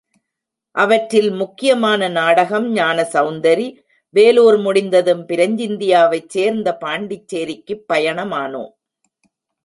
அவற்றில் முக்கியமான நாடகம் ஞானசெளந்தரி, வேலூர் முடிந்ததும் பிரஞ்சிந்தியாவைச் சேர்ந்த பாண்டிச்சேரிக்குப் பயணமானோம்.